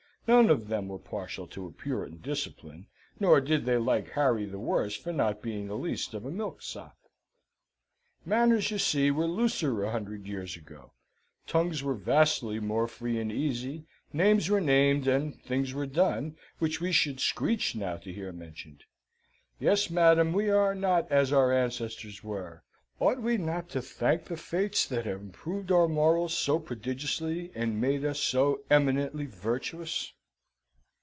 None of them were partial to the Puritan discipline; nor did they like Harry the worse for not being the least of a milksop. Manners, you see, were looser a hundred years ago; tongues were vastly more free and easy; names were named, and things were done, which we should screech now to hear mentioned. Yes, madam, we are not as our ancestors were. Ought we not to thank the Fates that have improved our morals so prodigiously, and made us so eminently virtuous?